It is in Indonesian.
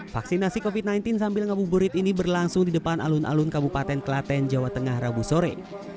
vaksinasi covid sembilan belas sambil ngabuburit ini berlangsung di depan alun alun kabupaten kelaten jawa tengah rabu sore